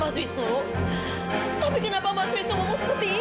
mas wisnu tapi kenapa mas wisno ngomong seperti ini